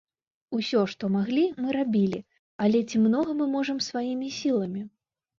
Усё, што маглі, мы рабілі, але ці многа мы можам сваімі сіламі?